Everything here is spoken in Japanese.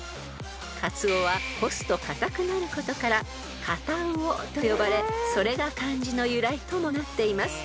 ［鰹は干すとかたくなることから堅魚と呼ばれそれが漢字の由来ともなっています］